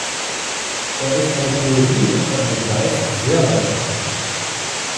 Er ist eine Theorie und von einem Beweis sehr weit entfernt.